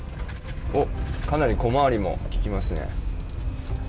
おっ、かなり小回りも利きますね。